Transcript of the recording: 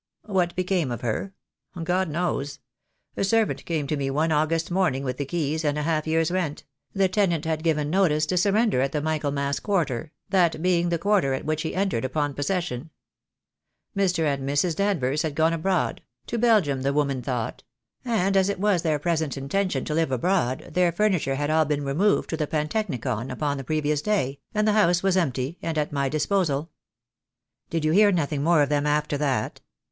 What became of her? God knows. A servant came to me one August morning with the keys and a half year's rent — the tenant had given notice to surrender at the Michaelmas quarter, that being the quarter at which he entered upon possession. Mr. and Mrs. Danvers had gone abroad; to Belgium, the woman thought; and as it was their present intention to live abroad, their furniture had all been removed to the Pantechnicon upon the previous day, and the house was empty, and at my disposal." "Did you hear nothing more of them after that?"